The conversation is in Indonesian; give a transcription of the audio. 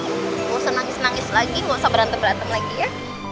nggak usah nangis nangis lagi nggak usah berantem berantem lagi ya